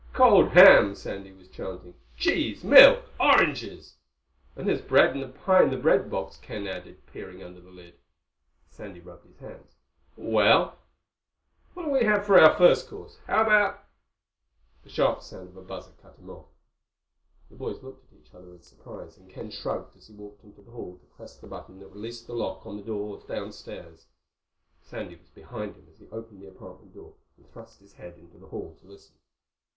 "Cold ham," Sandy was chanting, "cheese, milk, oranges...." "And there's bread and a pie in the breadbox," Ken added, peering under the lid. Sandy rubbed his hands. "Well, what'll we have for our first course? How about—?" The sharp sound of the buzzer cut him off. The boys looked at each other in surprise, and Ken shrugged as he walked into the hall to press the button that released the lock on the downstairs door. Sandy was behind him as he opened the apartment door and thrust his head into the hall to listen.